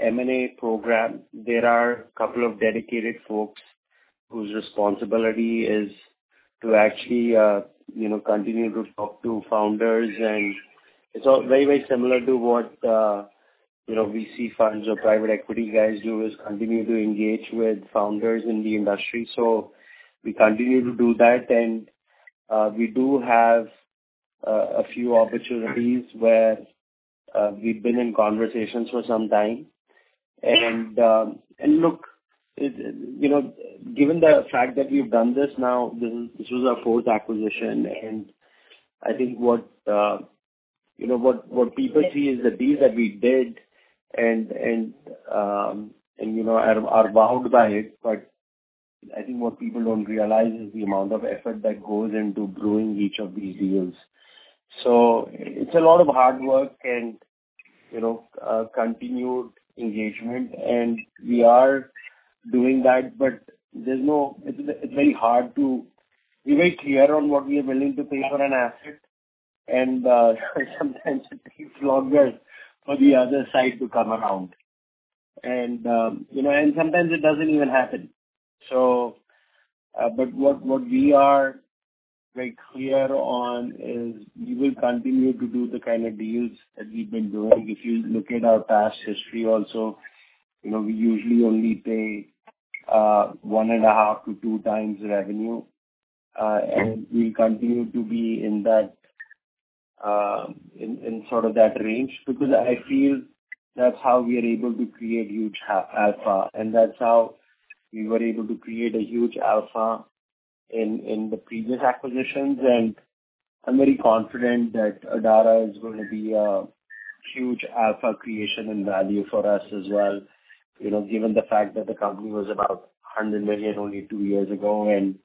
Speaker 2: M&A program. There are a couple of dedicated folks whose responsibility is to actually, you know, continue to talk to founders. It's all very, very similar to what, you know, VC funds or private equity guys do, is continue to engage with founders in the industry. We continue to do that. We do have a few opportunities where we've been in conversations for some time. Look, you know, given the fact that we've done this now, this was our fourth acquisition. I think what, you know, what people see is the deals that we did and you know, are wowed by it. I think what people don't realize is the amount of effort that goes into brewing each of these deals. It's a lot of hard work and, you know, continued engagement, and we are doing that. There's no... It's very hard to... We're very clear on what we are willing to pay for an asset, and sometimes it takes longer for the other side to come around. You know, and sometimes it doesn't even happen. But what we are very clear on is we will continue to do the kind of deals that we've been doing. If you look at our past history also, you know, we usually only pay one and a half to two times revenue. And we continue to be in that, in sort of that range. Because I feel that's how we are able to create huge alpha, and that's how we were able to create a huge alpha in the previous acquisitions. I'm very confident that Adara is going to be a huge alpha creation and value for us as well, you know, given the fact that the company was about $100 million only 2 years ago, and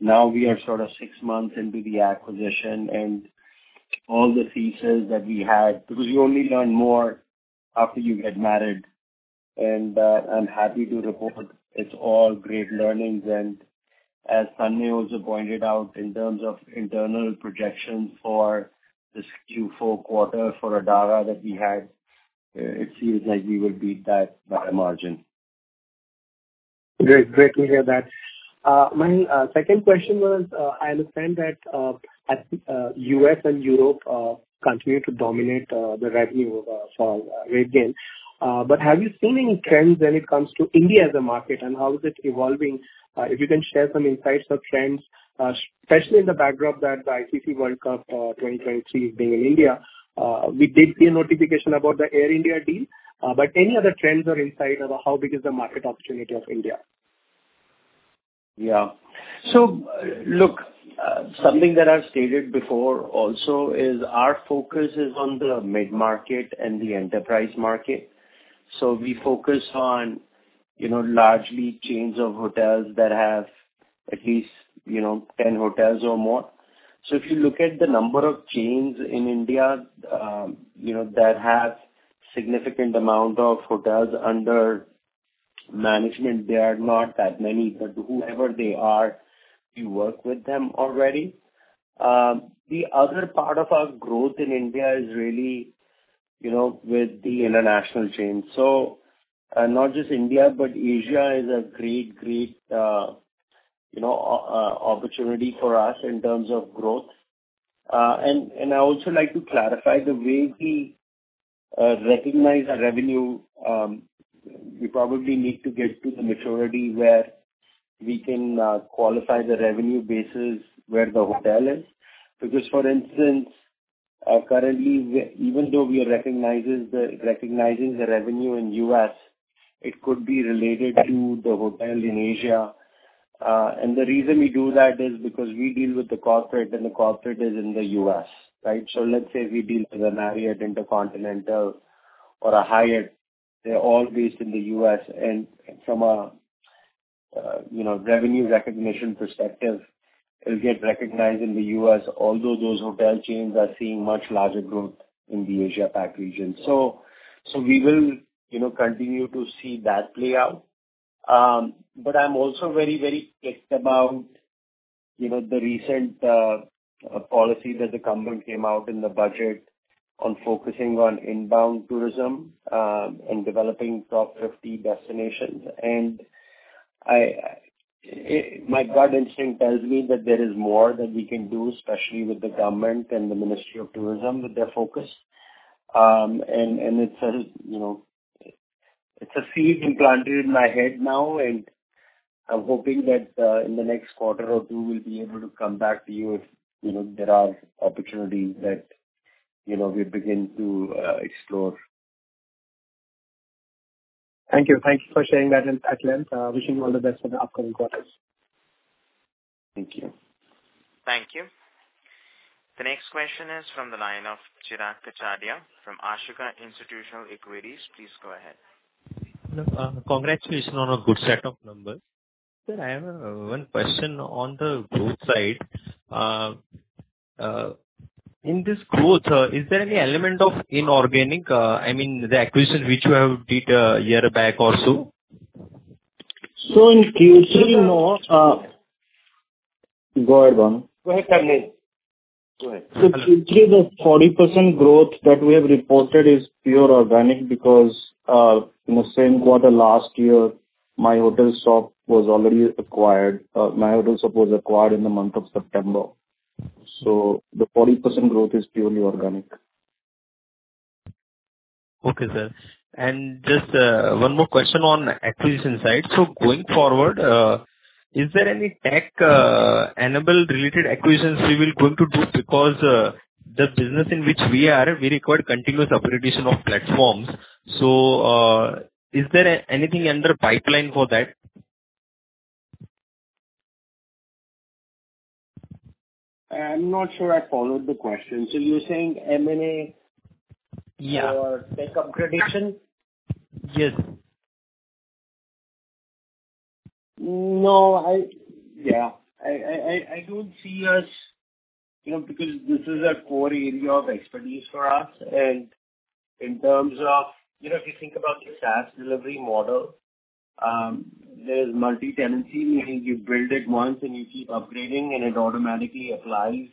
Speaker 2: now we are sort of 6 months into the acquisition and all the features that we had. Because you only learn more after you get married. I'm happy to report it's all great learnings. As Sunny also pointed out, in terms of internal projections for this Q4 quarter for Adara that we had, it seems like we will beat that by a margin.
Speaker 8: Great, great to hear that. My second question was, I understand that US and Europe continue to dominate the revenue for RateGain. Have you seen any trends when it comes to India as a market, and how is it evolving? If you can share some insights or trends, especially in the backdrop that the ICC World Cup 2023 is being in India. We did see a notification about the Air India deal. Any other trends or insight about how big is the market opportunity of India?
Speaker 2: Look, something that I've stated before also is our focus is on the mid-market and the enterprise market. We focus on, you know, largely chains of hotels that have at least, you know, 10 hotels or more. If you look at the number of chains in India, you know, that have significant amount of hotels under management, there are not that many. Whoever they are, we work with them already. The other part of our growth in India is really, you know, with the international chains. Not just India, but Asia is a great, you know, opportunity for us in terms of growth. And I also like to clarify the way we recognize our revenue. We probably need to get to the maturity where we can qualify the revenue basis where the hotel is. Because for instance, currently even though we are recognizing the revenue in U.S., it could be related to the hotels in Asia. The reason we do that is because we deal with the corporate, and the corporate is in the U.S., right? Let's say we deal with a Marriott, InterContinental, or a Hyatt, they're all based in the U.S. From a, you know, revenue recognition perspective, it'll get recognized in the U.S., although those hotel chains are seeing much larger growth in the Asia Pac region. We will, you know, continue to see that play out. I'm also very, very kicked about, you know, the recent policy that the government came out in the budget on focusing on inbound tourism and developing top 50 destinations. My gut instinct tells me that there is more that we can do, especially with the government and the Ministry of Tourism, with their focus. It's a, you know, it's a seed implanted in my head now, and I'm hoping that in the next quarter or 2 we'll be able to come back to you if, you know, there are opportunities that, you know, we begin to explore. Thank you. Thank you for sharing that at length. Wishing you all the best for the upcoming quarters. Thank you.
Speaker 1: Thank you. The next question is from the line of Chirag Kachhadiya from Ashika Institutional Equities. Please go ahead.
Speaker 9: Hello. Congratulations on a good set of numbers. Sir, I have one question on the growth side. In this growth, is there any element of inorganic, I mean, the acquisition which you have did, a year back or so?
Speaker 2: In Q3 more. Go ahead, Ram. Go ahead, Camille. Go ahead. Q3, the 40% growth that we have reported is pure organic because in the same quarter last year, myhotelshop was already acquired. myhotelshop was acquired in the month of September. The 40% growth is purely organic.
Speaker 9: Okay, sir. Just one more question on acquisition side. Going forward, is there any tech enabled related acquisitions we will going to do? The business in which we are, we require continuous upgradation of platforms. Is there anything under pipeline for that?
Speaker 2: I'm not sure I followed the question. You're saying?
Speaker 9: Yeah.
Speaker 2: Tech upgradation?
Speaker 9: Yes.
Speaker 2: No, I. Yeah. I don't see us, you know, because this is a core area of expertise for us. In terms of, you know, if you think about the SaaS delivery model, there's multi-tenancy, meaning you build it once and you keep upgrading, and it automatically applies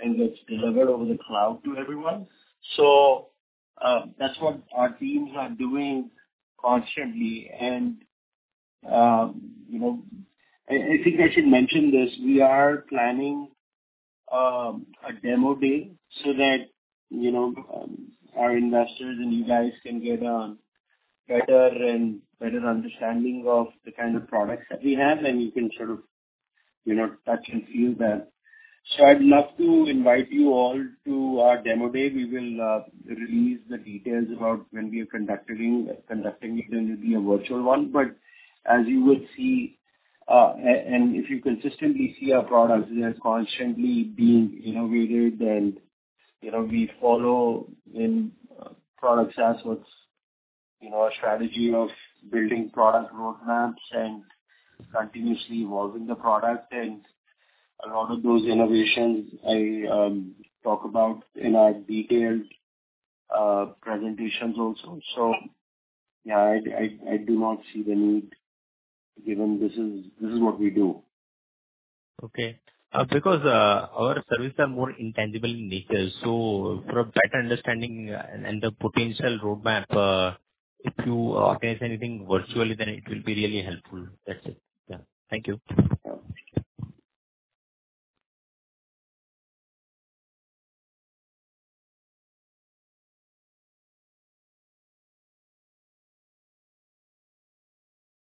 Speaker 2: and gets delivered over the cloud to everyone. That's what our teams are doing constantly. I think I should mention this. We are planning a demo day so that, you know, our investors and you guys can get a better and better understanding of the kind of products that we have, and you can sort of, you know, touch and feel that. I'd love to invite you all to our demo day. We will release the details about when we are conducting it, and it'll be a virtual one. As you would see, and if you consistently see our products, they're constantly being innovated. You know, we follow in product SaaS what's, you know, a strategy of building product roadmaps and continuously evolving the product. A lot of those innovations I talk about in our detailed presentations also. Yeah, I do not see the need given this is what we do.
Speaker 9: Okay. Because our service are more intangible in nature, so for a better understanding and the potential roadmap, if you organize anything virtually, then it will be really helpful. That's it. Yeah. Thank you.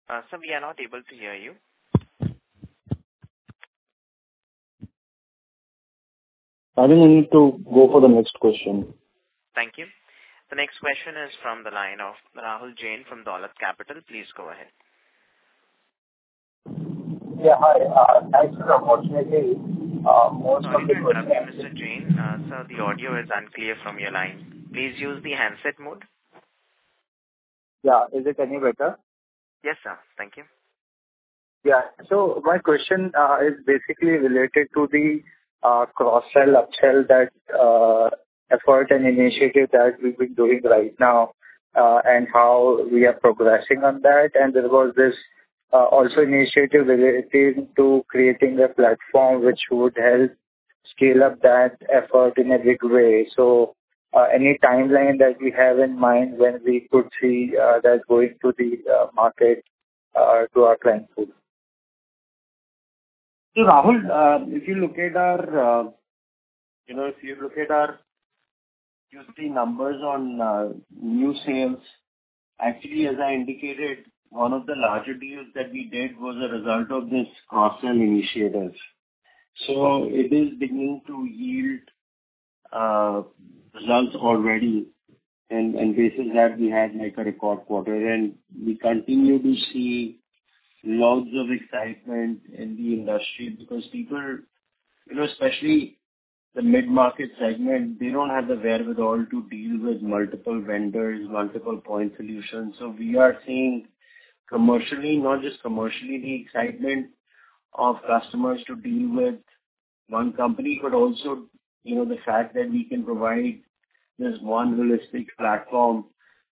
Speaker 1: Sir, we are not able to hear you.
Speaker 2: I think we need to go for the next question.
Speaker 1: Thank you. The next question is from the line of Rahul Jain from Dolat Capital. Please go ahead.
Speaker 10: Yeah, hi. Thanks for the opportunity.
Speaker 1: Sorry to interrupt you, Mr. Jain. Sir, the audio is unclear from your line. Please use the handset mode.
Speaker 10: Yeah. Is it any better?
Speaker 1: Yes, sir. Thank you.
Speaker 10: Yeah. My question is basically related to the cross-sell, up-sell that effort and initiative that we've been doing right now, and how we are progressing on that. There was this also initiative related to creating a platform which would help scale up that effort in a big way. Any timeline that we have in mind when we could see that going to the market to our clients too?
Speaker 2: Rahul, if you look at our, you know, if you look at our QC numbers on new sales, actually as I indicated, one of the larger deals that we did was a result of this cross-sell initiative. It is beginning to yield results already and basis that we had like a record quarter. We continue to see lots of excitement in the industry because people, you know, especially the mid-market segment, they don't have the wherewithal to deal with multiple vendors, multiple point solutions. We are seeing commercially, not just commercially the excitement of customers to deal with one company. Also, you know, the fact that we can provide this one holistic platform,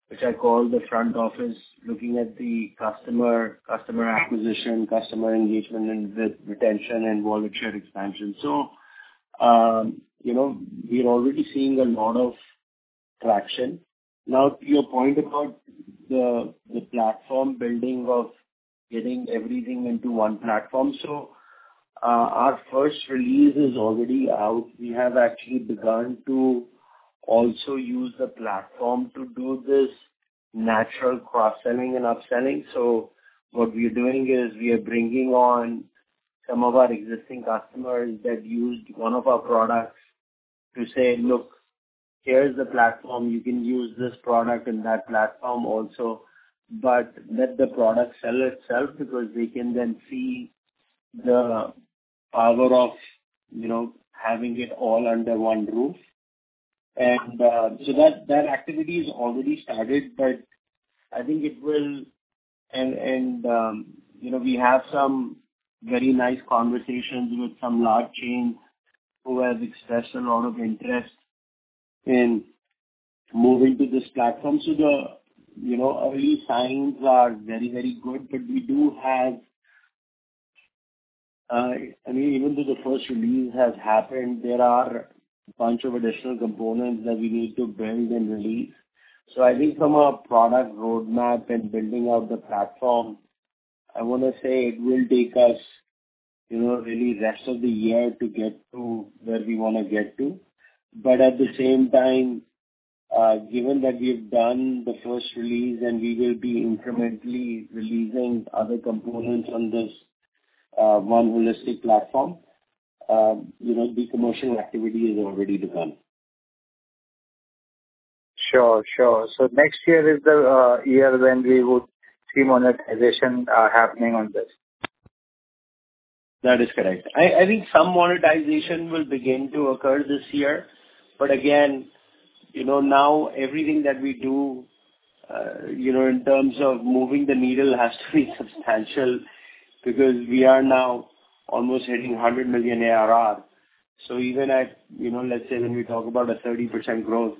Speaker 2: which I call the front office, looking at the customer acquisition, customer engagement and with retention and volume share expansion. You know, we're already seeing a lot of traction. Now to your point about the platform building of getting everything into one platform. Our first release is already out. We have actually begun to also use the platform to do this natural cross-selling and upselling. What we are doing is we are bringing on some of our existing customers that used one of our products to say, "Look, here's the platform. You can use this product in that platform also. Let the product sell itself because we can then see the power of, you know, having it all under one roof." That, that activity is already started. You know, we have some very nice conversations with some large chains who have expressed a lot of interest in moving to this platform. The, you know, early signs are very, very good, but we do have, I mean, even though the first release has happened, there are a bunch of additional components that we need to build and release. I think from a product roadmap and building out the platform, I wanna say it will take us, you know, really rest of the year to get to where we wanna get to. At the same time, given that we've done the first release and we will be incrementally releasing other components on this, one holistic platform, you know, the commercial activity is already begun.
Speaker 10: Sure, sure. Next year is the year when we would see monetization happening on this.
Speaker 2: That is correct. I think some monetization will begin to occur this year. Again, you know, now everything that we do, you know, in terms of moving the needle has to be substantial because we are now almost hitting $100 million ARR. Even at, you know, let's say when we talk about a 30% growth,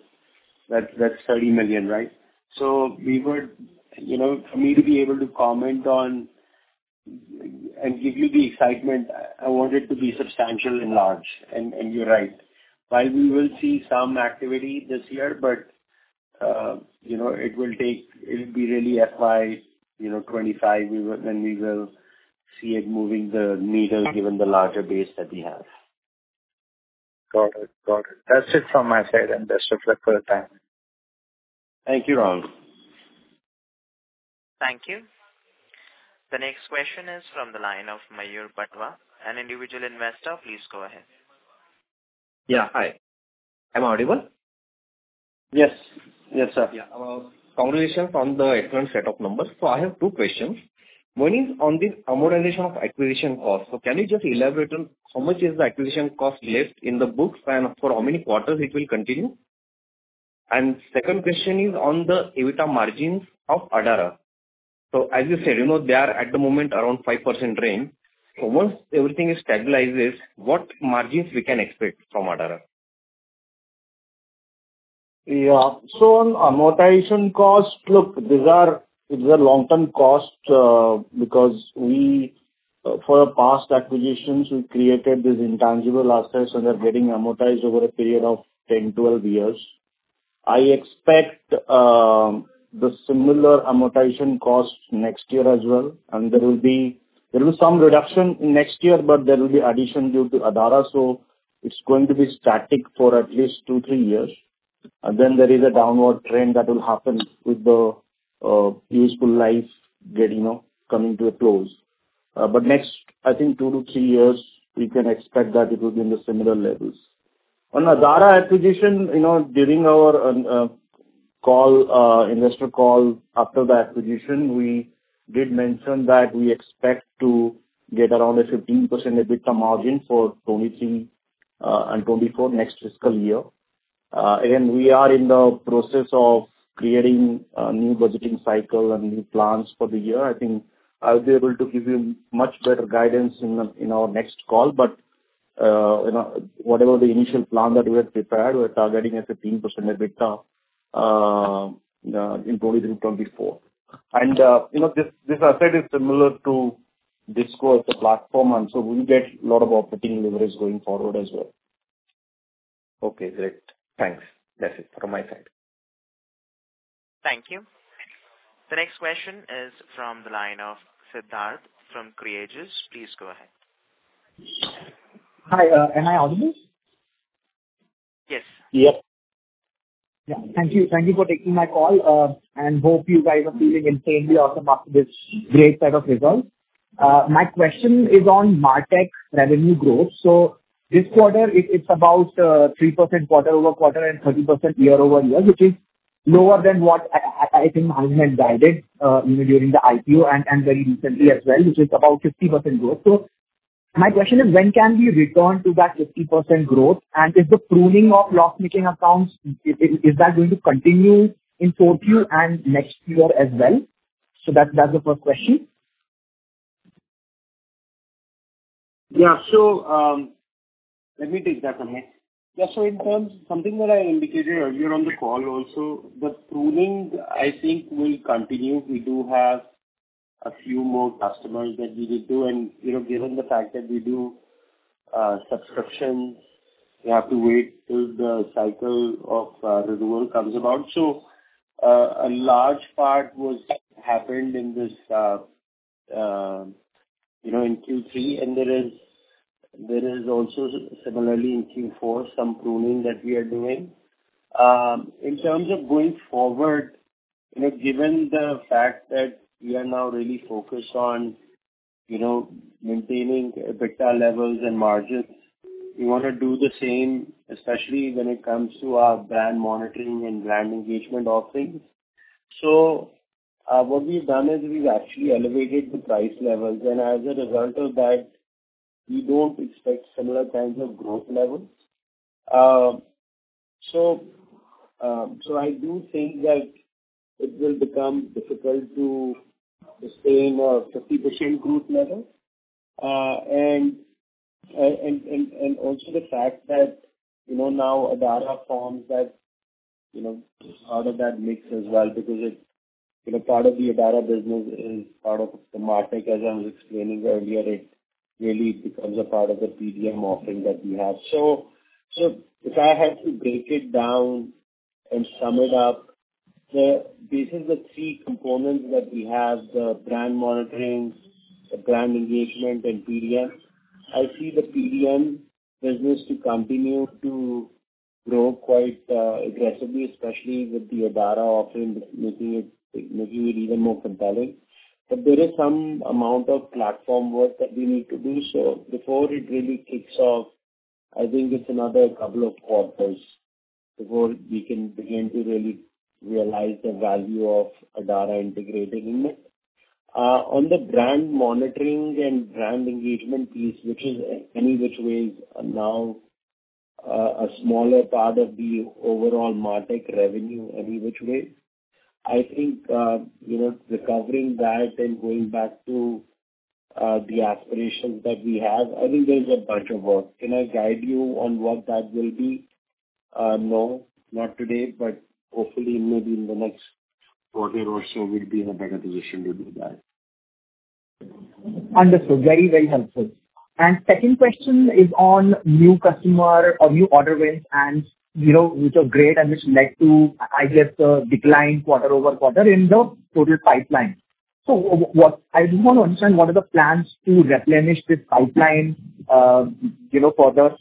Speaker 2: that's $30 million, right? We would, you know, for me to be able to comment on and give you the excitement, I want it to be substantial and large. You're right. While we will see some activity this year, but, you know, It'll be really FY, you know, 2025, then we will see it moving the needle given the larger base that we have.
Speaker 10: Got it. That's it from my side, and best of luck for the time.
Speaker 2: Thank you, Rahul.
Speaker 1: Thank you. The next question is from the line of Mayur Patwa, an individual investor. Please go ahead.
Speaker 11: Yeah. Hi. Am I audible?
Speaker 2: Yes. Yes, sir.
Speaker 11: Yeah. Congratulations on the excellent set of numbers. I have two questions. One is on this amortization of acquisition costs. Can you just elaborate on how much is the acquisition cost left in the books, and for how many quarters it will continue? Second question is on the EBITDA margins of Adara. As you said, you know, they are at the moment around 5% range. Once everything is stabilizes, what margins we can expect from Adara?
Speaker 2: On amortization costs, look, these are long-term costs, because we, for our past acquisitions, we created these intangible assets, and they're getting amortized over a period of 10, 12 years. I expect the similar amortization costs next year as well. There is some reduction next year, but there will be addition due to Adara. It's going to be static for at least two, three years. Then there is a downward trend that will happen with the useful life getting coming to a close. Next, I think two to three years, we can expect that it will be in the similar levels. On Adara acquisition, you know, during our call, investor call after the acquisition, we did mention that we expect to get around a 15% EBITDA margin for 2023 and 2024, next fiscal year. Again, we are in the process of creating a new budgeting cycle and new plans for the year. I think I'll be able to give you much better guidance in our next call. Whatever the initial plan that we had prepared, we're targeting a 15% EBITDA, you know, in 2023 and 2024. This asset is similar to DHISCO as a platform, we'll get a lot of operating leverage going forward as well.
Speaker 11: Okay, great. Thanks. That's it from my side.
Speaker 1: Thank you. The next question is from the line of Siddharth from Creatios. Please go ahead.
Speaker 12: Hi, am I audible?
Speaker 1: Yes.
Speaker 2: Yes.
Speaker 12: Thank you. Thank you for taking my call. Hope you guys are feeling insanely awesome after this great set of results. My question is on MarTech revenue growth. This quarter it's about 3% quarter-over-quarter and 30% year-over-year, which is lower than what I think management guided, you know, during the IPO and very recently as well, which is about 50% growth. My question is, when can we return to that 50% growth? Is the pruning of loss-making accounts, is that going to continue in full year and next year as well? That's the first question.
Speaker 2: Yeah. Let me take that one, yeah. Yeah. In terms of something that I indicated earlier on the call also, the pruning, I think, will continue. We do have a few more customers that we will do. You know, given the fact that we do subscriptions, we have to wait till the cycle of renewal comes about. A large part was happened in this, you know, in Q3 and there is also similarly in Q4 some pruning that we are doing. In terms of going forward, you know, given the fact that we are now really focused on maintaining EBITDA levels and margins. We wanna do the same, especially when it comes to our brand monitoring and brand engagement offerings. What we've done is we've actually elevated the price levels, and as a result of that, we don't expect similar kinds of growth levels. I do think that it will become difficult to sustain our 50% growth level. Also the fact that, you know, now Adara forms that, you know, part of that mix as well because it's, you know, part of the Adara business is part of MarTech as I was explaining earlier. It really becomes a part of the PDM offering that we have. If I had to break it down and sum it up, this is the three components that we have, the brand monitoring, the brand engagement and PDM. I see the PDM business to continue to grow quite aggressively, especially with the Adara offering making it even more compelling. There is some amount of platform work that we need to do. Before it really kicks off, I think it's another couple of quarters before we can begin to really realize the value of Adara integrating in it. On the brand monitoring and brand engagement piece, which is any which way now a smaller part of the overall MarTech revenue, any which way, I think, you know, recovering that and going back to the aspirations that we have, I think there's a bunch of work. Can I guide you on what that will be? No, not today, but hopefully maybe in the next quarter or so we'll be in a better position to do that.
Speaker 12: Understood. Very, very helpful. Second question is on new customer or new order wins and, you know, which are great and which led to, I guess, a decline quarter-over-quarter in the total pipeline. What I just want to understand, what are the plans to replenish this pipeline, you know, for the...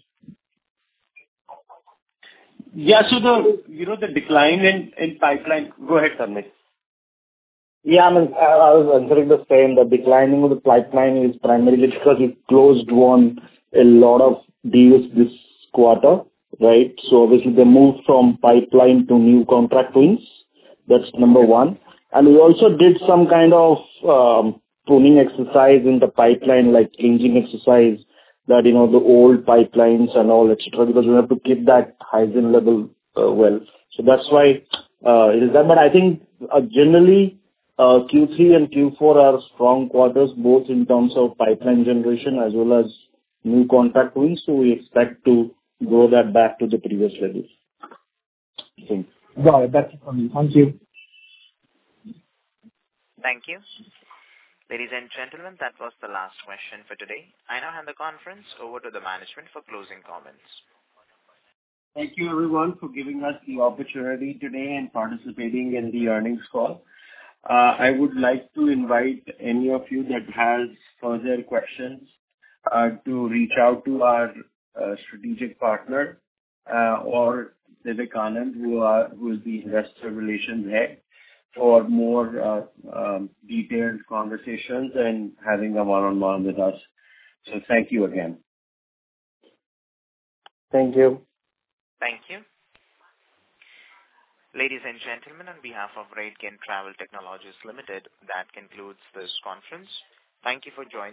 Speaker 2: Yeah. The, you know, the decline in pipeline... Go ahead, Sunil.
Speaker 13: Yeah, I mean, I was going to say the declining of the pipeline is primarily because we closed a lot of deals this quarter, right? Basically they moved from pipeline to new contract wins. That's number one. We also did some kind of pruning exercise in the pipeline, like changing exercise that, you know, the old pipelines and all, et cetera, because we have to keep that hygiene level well. That's why it is done. I think generally Q3 and Q4 are strong quarters, both in terms of pipeline generation as well as new contract wins. We expect to grow that back to the previous levels. I think.
Speaker 12: Got it. That's it from me. Thank you.
Speaker 1: Thank you. Ladies and gentlemen, that was the last question for today. I now hand the conference over to the management for closing comments.
Speaker 2: Thank you everyone for giving us the opportunity today and participating in the earnings call. I would like to invite any of you that has further questions, to reach out to our strategic partner, or Divik Anand, who is the investor relations head, for more detailed conversations and having a one-on-one with us. Thank you again.
Speaker 3: Thank you.
Speaker 1: Thank you. Ladies and gentlemen, on behalf of RateGain Travel Technologies Limited, that concludes this conference. Thank you for joining us.